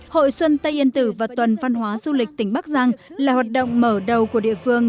hội xuân tây yên tử và tuần văn hóa du lịch tỉnh bắc giang là hoạt động mở đầu của địa phương